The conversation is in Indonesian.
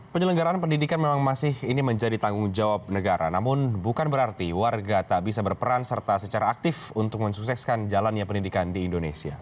penyelenggaraan pendidikan memang masih ini menjadi tanggung jawab negara namun bukan berarti warga tak bisa berperan serta secara aktif untuk mensukseskan jalannya pendidikan di indonesia